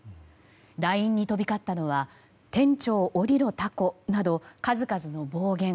ＬＩＮＥに飛び交ったのは店長降りろタコなど数々の暴言。